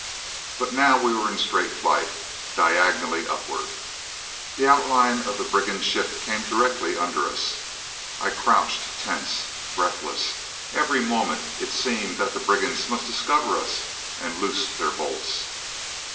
But now we were in straight flight diagonally upward. The outline of the brigand ship came directly under us. I crouched tense, breathless; every moment it seemed that the brigands must discover us and loose their bolts.